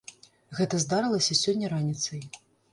Гэта здарылася сёння раніцай.